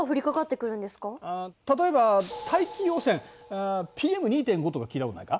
例えば大気汚染ＰＭ２．５とか聞いたことないか？